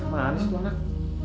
manis tuh anak